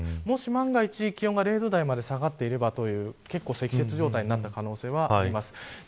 もし万が一、気温が０度台まで下がっていれば結構、積雪状態になった可能性はあります。